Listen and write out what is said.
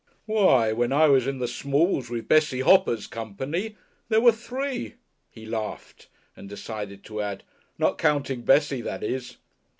"Why, when I was in the smalls with Bessie Hopper's company there were three." He laughed and decided to add, "Not counting Bessie, that is."